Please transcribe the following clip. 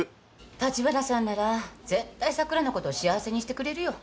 立花さんなら絶対桜のことを幸せにしてくれるよ。